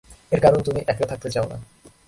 এর কারণ তুমি একলা থাকতে চাও না।